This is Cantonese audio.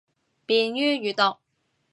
便于阅读